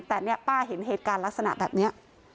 แต่เนี่ยป้าเห็นเหตุการณ์ลักษณะแบบนี้